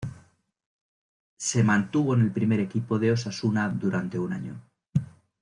Se mantuvo en el primer equipo de Osasuna durante un año.